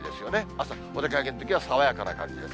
朝、お出かけのときは爽やかな感じです。